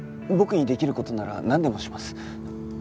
僕にできる事ならなんでもします。